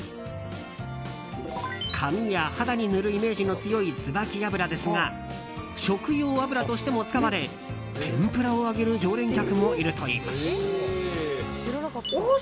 髪や肌に塗るイメージの強いツバキ油ですが食用油としてもつかわれ天ぷらを揚げる常連客もいるといいます。